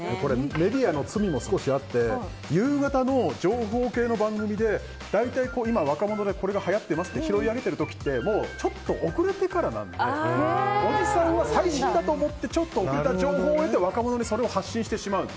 メディアの罪も少しあって夕方の情報系の番組で今、若者でこれが流行ってますって拾い上げてる時ってもうちょっと遅れてからなのでおじさんは最新だと思ってちょっと遅れた情報を得て若者にそれを発信してしまう。